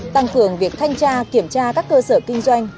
tăng cường việc thanh tra kiểm tra các cơ sở kinh doanh